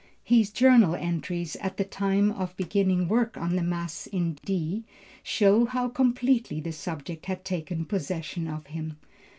His journal entries at the time of beginning work on the Mass in D show how completely the subject had taken possession of him.